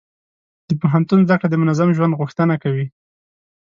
د پوهنتون زده کړه د منظم ژوند غوښتنه کوي.